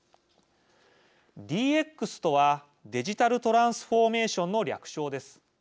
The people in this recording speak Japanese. ＤＸとはデジタルトランスフォーメーションの略称です。